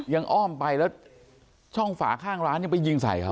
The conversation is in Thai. อ้อมไปแล้วช่องฝาข้างร้านยังไปยิงใส่เขา